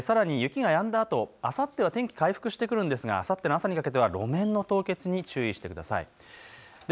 さらに雪がやんだあと、あさっては天気、回復してくるんですがあさっての朝にかけては路面の凍結に注意してください。